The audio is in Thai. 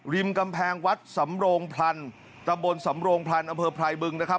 ริมกำแพงวัดสำโรงพรรณตำรวจสำโรงพรรณอำเภอไพรบึงนะครับ